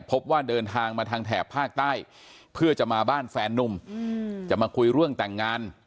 พบว่าเดินทางมาทางแถบภาคใต้เพื่อจะมาบ้านแฟนนุ่มจะมาคุยเรื่องแต่งงาน